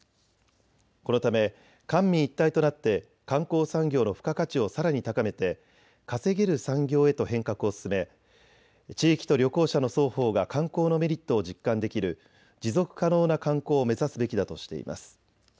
このため官民一体となって観光産業の付加価値をさらに高めて稼げる産業へと変革を進め地域と旅行者の双方が観光のメリットを実感できる持続可能な観光を目指すべきだとしています。